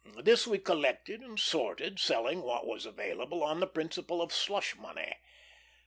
This we collected and sorted, selling what was available, on the principle of slush money.